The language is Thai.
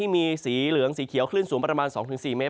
มีสีเหลืองสีเขียวคลื่นสูงประมาณ๒๔เมตร